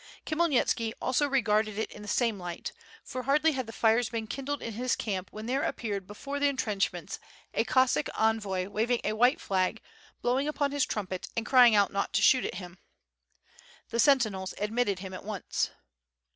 Khmyelnitski also regarded it in the same light, for hardly had the fires been kindled in his camp when there appeared before the entrenchments a Cossack envoy waving a white flag, blowing upon his trumpet and crying out not to shoot at him. The sentinuels admitted him at once.